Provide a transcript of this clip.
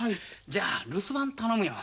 じゃあ留守番頼むよ。